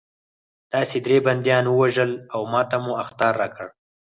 تاسې درې بندیان ووژل او ماته مو اخطار راکړ